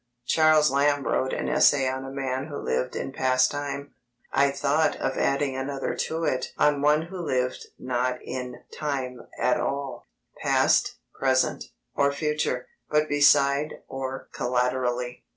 Charles Lamb wrote an essay on a man who lived in past time: I thought of adding another to it on one who lived not in time at all, past, present, or future but beside or collaterally.